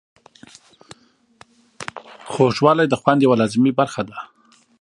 خوږوالی د خوند یوه لازمي برخه ده.